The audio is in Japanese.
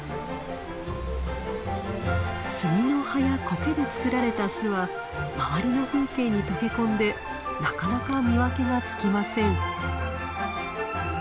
スギの葉やコケで作られた巣は周りの風景に溶け込んでなかなか見分けがつきません。